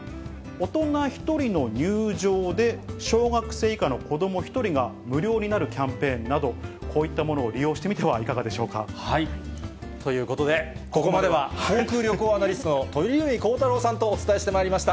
大人１人の入場で小学生以下の子ども１人が無料になるキャンペーンなど、こういったものを利用してみてはいかがでしょうか？ということで、ここまでは航空・旅行アナリストの鳥海高太朗さんとお伝えしてまいりました。